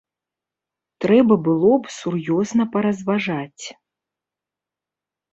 Трэба было б сур'ёзна паразважаць.